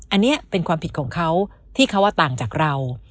อันนี้เป็นความผิดของเขาที่เขาว่าต่างจากเรา